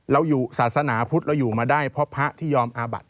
เราอยู่ศาสนาพุทธเราอยู่มาได้เพราะพระที่ยอมอาบัติ